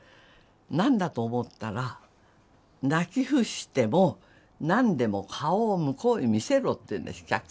何だと思ったら「泣き伏しても何でも顔を向こうに見せろ」って言うんです客席へ。